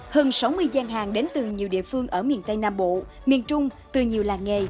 hơn sáu mươi gian hàng đến từ nhiều địa phương ở miền tây nam bộ miền trung từ nhiều làng nghề